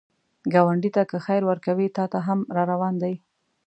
ګاونډي ته که خیر ورکوې، تا ته هم راروان دی